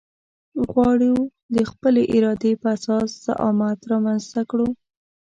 غواړو د خپلې ارادې په اساس زعامت رامنځته کړو.